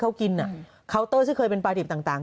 เขากินเคาน์เตอร์ซึ่งเคยเป็นปลาดิบต่าง